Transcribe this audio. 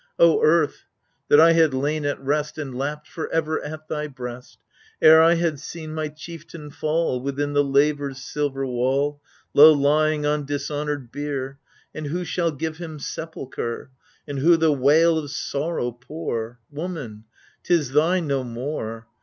O Earth ! that I had lain at rest And lapped for ever in thy breast, Ere I had seen my chieftain fall Within the laver's silver wall. Low lying on dishonoured bier I And who shall give him sepulchre. And who the wail of sorrow pour ? Woman, 'tis thine no more